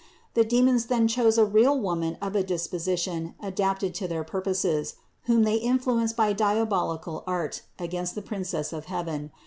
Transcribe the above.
The demons then chose a real woman of a disposition adapted to their purposes, whom they influenced by diabolical art against the Prin cess of heaven.